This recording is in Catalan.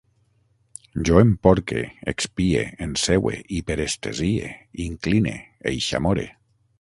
Jo emporque, expie, enseue, hiperestesie, incline, eixamore